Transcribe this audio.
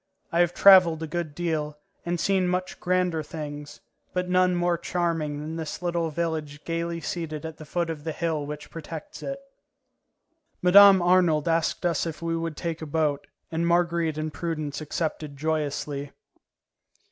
I have travelled a good deal, and seen much grander things, but none more charming than this little village gaily seated at the foot of the hill which protects it. Mme. Arnould asked us if we would take a boat, and Marguerite and Prudence accepted joyously.